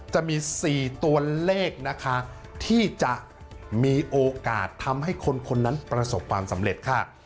จะมี๔ตัวเลขนะคะที่จะมีโอกาสทำให้คนนั้นประสบความสำเร็จค่ะ